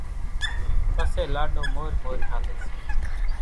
پسي لاڏو مورِ مورِ ھالي سي۔